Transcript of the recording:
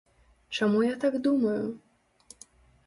Чаму я так думаю?